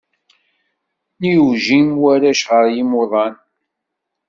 Nniwjin warrac ɣer yimuḍan.